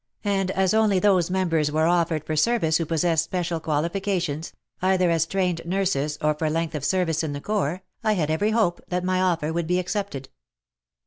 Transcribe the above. and as only those mem bers were offered for service who possessed special qualifications, either as trained nurses WAR AND WOMEN if or for length of service in the corps, I had every hope that my offer would be accepted.